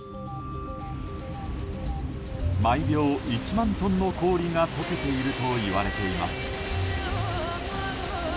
毎秒１万トンの氷が解けているといわれています。